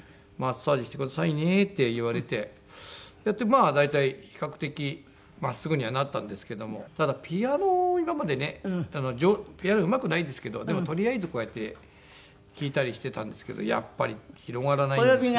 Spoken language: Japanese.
まあ大体比較的真っすぐにはなったんですけどもただピアノを今までねピアノうまくないんですけどでもとりあえずこうやって弾いたりしてたんですけどやっぱり広がらないんです。